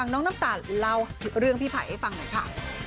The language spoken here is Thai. น้ำตาลเล่าเรื่องพี่ไผ่ให้ฟังหน่อยค่ะ